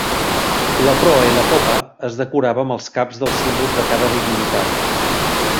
La proa i la popa es decorava amb els caps dels símbols de cada divinitat.